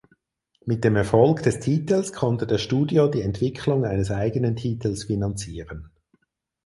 Mit dem Erfolg des Titels konnte das Studio die Entwicklung eines eigenen Titels finanzieren.